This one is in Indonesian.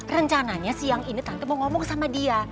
rencananya siang ini tante mau ngomong sama dia